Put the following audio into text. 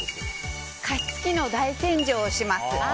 加湿器の大洗浄をします。